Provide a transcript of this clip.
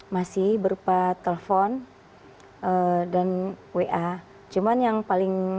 masih berupa telepon dan wa